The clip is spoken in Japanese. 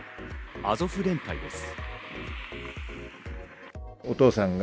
・アゾフ連隊です。